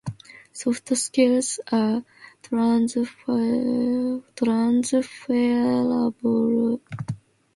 Soft skills are transferable and can be applicable to various job roles.